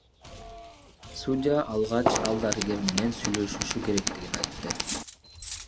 Судья алгач ал дарыгер менен сүйлөшүшү керектигин айтты.